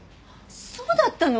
そうだったの？